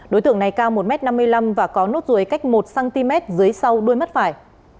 đối tượng này cao một m năm mươi năm và có nốt ruồi cách một cm dưới sau đuôi mắt phải